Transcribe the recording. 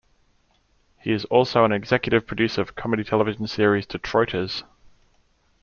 He is also an executive producer for comedy television series "Detroiters".